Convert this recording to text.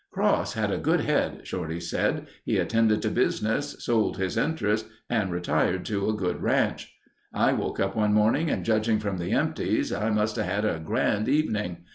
"Cross had a good head," Shorty said. "He attended to business, sold his interest and retired to a good ranch. "I woke up one morning and judging from the empties, I must have had a grand evening.